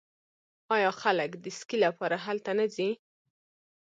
آیا خلک د سکي لپاره هلته نه ځي؟